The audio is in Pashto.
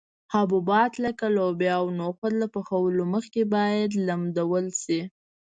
حبوبات لکه لوبیا او نخود له پخولو مخکې باید لمدول شي.